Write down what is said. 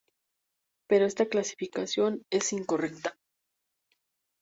Pero esta clasificación es incorrecta.